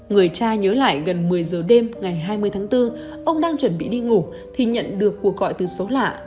người cha nhớ lại gần một mươi giờ đêm ngày hai mươi tháng bốn ông đang chuẩn bị đi ngủ thì nhận được cuộc gọi từ số lạ